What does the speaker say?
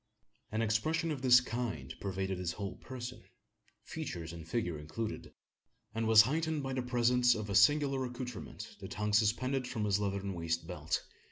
An expression of this kind pervaded his whole person features and figure included and was heightened by the presence of a singular accoutrement that hung suspended from his leathern waist belt.